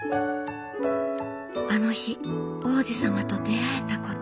「あの日王子様と出会えたこと。